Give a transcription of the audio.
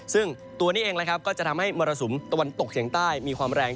ซึ่งตัวนี้เองนะครับก็จะทำให้มรสุมตะวันตกเฉียงใต้มีความแรง